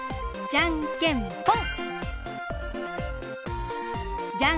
じゃんけんぽん！